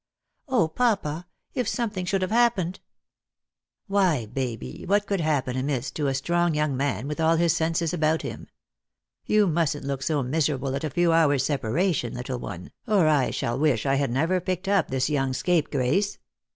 O papa, if something should have happened !"" Why, Baby, what could happen amiss to a strong young man with all his senses about him ? You mustn't look so miserable at a few hours' separation, little one, or I shall wish I had never picked up this young scapegrace."